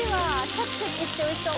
シャキシャキして美味しそう。